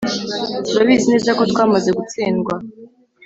turabizi neza ko twamaze gutsindwa